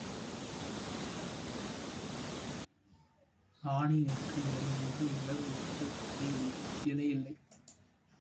ஆனை நிற்க நிழல் உண்டு மிளகு உருட்ட இலை இல்லை.